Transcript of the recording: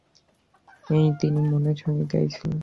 এই তিনি মনের সঙ্গে গাহিয়াছিলেন তাহাতে আর সন্দেহ নাই।